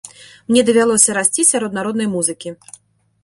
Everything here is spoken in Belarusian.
Мне давялося расці сярод народнай музыкі.